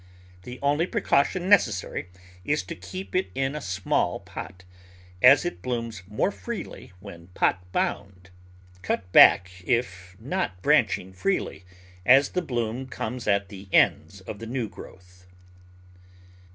The only precaution necessary is to keep it in a small pot, as it blooms more freely when pot bound. Cut back if not branching freely, as the bloom comes at the ends of the new growth.